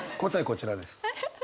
こちらです。